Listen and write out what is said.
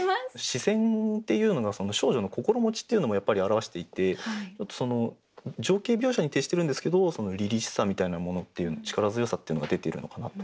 「視線」っていうのが少女の心持ちっていうのもやっぱり表していて情景描写に徹してるんですけどそのりりしさみたいなものっていう力強さっていうのが出ているのかなと。